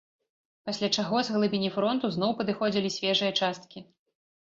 Пасля чаго з глыбіні фронту зноў падыходзілі свежыя часткі.